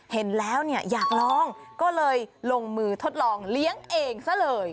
เห็นแล้วเนี่ยอยากลองก็เลยลงมือทดลองเลี้ยงเองซะเลย